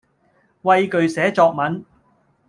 畏懼寫作文